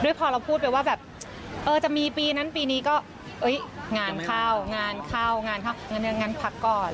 ด้วยพอเราพูดไปว่าแบบจะมีปีนั้นปีนี้ก็อัยงานข้าวงานข้าวงานพักก่อน